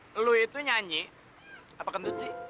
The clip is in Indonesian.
eh lo itu nyanyi apa kentut sih